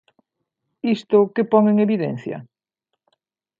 ¿Isto que pon en evidencia?